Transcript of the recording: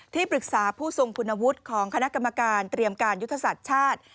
ที่ปรึกษาผู้ทรงคุณวุฒิของคณะกรรมการเตรียมการยุทธศาสตร์ชาติ